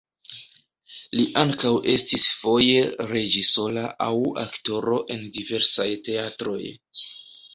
Li ankaŭ estis foje reĝisoro aŭ aktoro en diversaj teatroj.